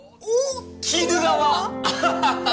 鬼怒川！